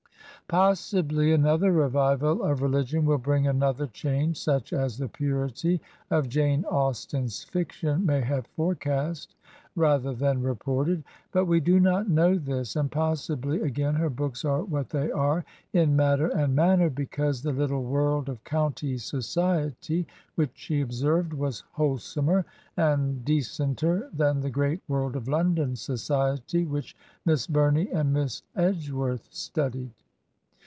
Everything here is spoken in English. Pos sibly another revival of religion will bring another change, such as the purity of Jane Austen's fiction may have forecast rather than reported. But we do not know this, and possibly again her books are what they are in matter and manner because the little world of county society which she observed was wholesomer and de center than the great world of London society which Miss Bumey and Miss Edgeworth studied.